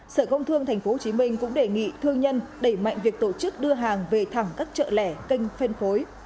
sở công thương tp hcm cũng đề nghị thương nhân đẩy mạnh việc tổ chức đưa hàng về thẳng các chợ lẻ kênh phân phối